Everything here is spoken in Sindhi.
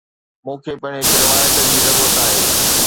مون کي پڻ هڪ روايت جي ضرورت آهي.